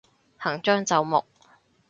行將就木